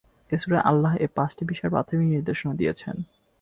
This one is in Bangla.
এ সূরায় আল্লাহ এ পাঁচটি বিষয়ের প্রাথমিক নির্দেশনা দিয়েছেন।